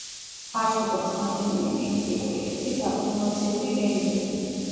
არსებობს რამდენიმე გენეტიკური ტიპის აკუმულაციური რელიეფი.